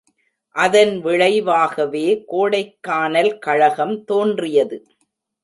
அதன் விளைவாகவே கோடைக்கானல் கழகம் தோன்றியது.